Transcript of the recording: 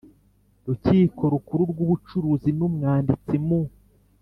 Rukiko Rukuru rw Ubucuruzi n Umwanditsi mu